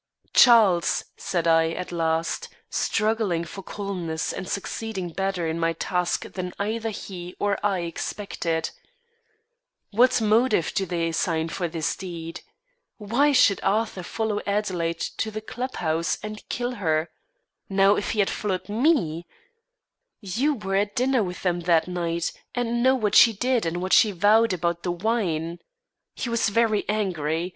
"Charles," said I, at last, struggling for calmness, and succeeding better in my task than either he or I expected; "what motive do they assign for this deed? Why should Arthur follow Adelaide to the club house and kill her? Now, if he had followed me " "You were at dinner with them that night, and know what she did and what she vowed about the wine. He was very angry.